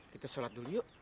kita sholat dulu yuk